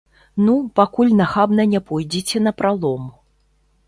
Ну, пакуль нахабна не пойдзеце напралом.